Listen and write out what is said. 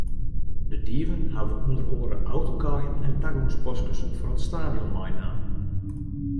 De dieven hawwe ûnder oare autokaaien en tagongspaskes fan it stadion meinaam.